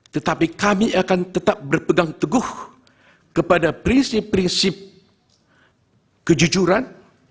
tetapi kami akan tetap berpegang teguh kepada prinsip prinsip kejujuran